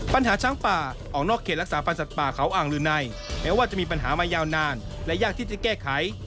ปัญหาช้างป่าออกนอกเขตรักษาพันธ์สัตว์ป่าเขาอ่างลือในแม้ว่าจะมีปัญหามายาวนานและยากที่จะแก้ไข